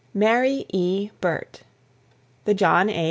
MARY E. BURT. The John A.